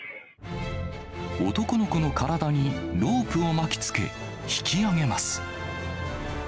男の子の体にロープを巻きつけ、引き上げます。